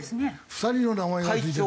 ２人の名前が付いてる。